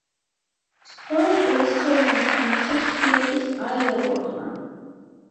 სწორედ ეს როლი ითამაშა შირაკის აეროპორტმა.